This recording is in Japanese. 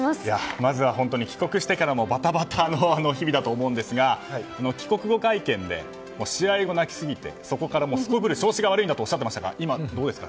まずは本当に帰国してからもバタバタの日々だと思いますが帰国後会見で、試合後泣きすぎてそこからすこぶる調子が悪いとおっしゃっていましたが今、どうですか？